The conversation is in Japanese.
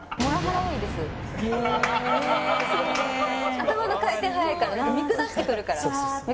頭の回転速いから見下してくるから。